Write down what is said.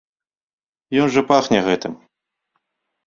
Ён жа пыхае гэтым!